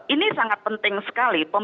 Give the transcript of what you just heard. ini sangat penting sekali